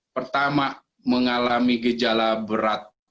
pertama mengalami gejala berat